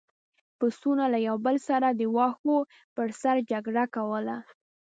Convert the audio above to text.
پسونو له یو بل سره د واښو پر سر جګړه کوله.